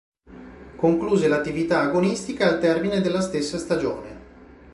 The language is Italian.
Concluse l'attività agonistica al termine della stessa stagione.